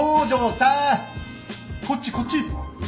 こっちこっち。